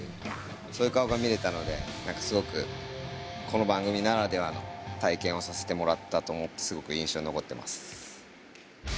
そういう顔が見られたのですごくこの番組ならではの体験をさせてもらったと思ってすごく印象に残ってます。